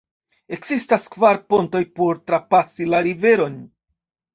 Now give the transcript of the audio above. Ekzistas kvar pontoj por trapasi la riveron.